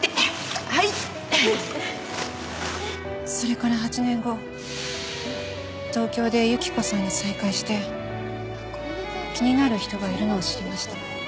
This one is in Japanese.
それから８年後東京で雪子さんに再会して気になる人がいるのを知りました。